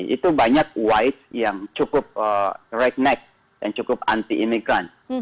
itu banyak white yang cukup right neck dan cukup anti immigrant